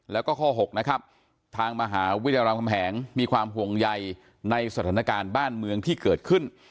แล้วก็ข้อ๖นะครับทางมหาวิทยาลัยรามคำแหงมีความห่วงใยในสถานการณ์บ้านเมืองที่เกิดขึ้น